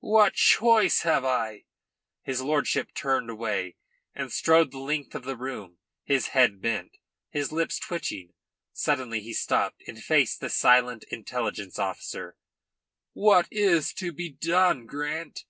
"What choice have I?" His lordship turned away, and strode the length of the room, his head bent, his lips twitching. Suddenly he stopped and faced the silent intelligence officer. "What is to be done, Grant?"